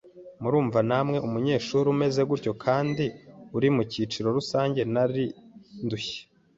murumva namwe umunyeshuri umeze gutyo kandi uri mu kiciro rusange nari ndushye,